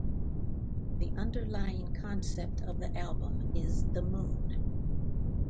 The underlying concept of the album is the moon.